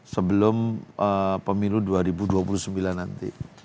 sebelum pemilu dua ribu dua puluh sembilan nanti